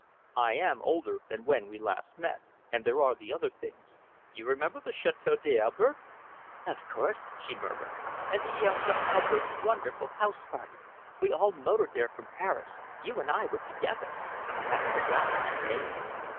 I am older than when we met last, and there are the other things. You remember the Chateau d'Albert?" "Of course!" she murmured. "And the young Duc d'Albert's wonderful house party. We all motored there from Paris. You and I were together! You have forgotten that, eh?"